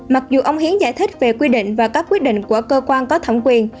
mặc dù ông hiến giải thích về quy định và các quyết định của cơ quan có thẩm quyền